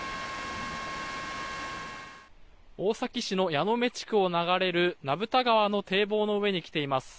大崎市の矢目地区を流れる名蓋川の堤防の上に来ています。